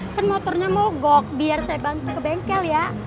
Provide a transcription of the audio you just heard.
kan motornya mogok biar saya bantu ke bengkel ya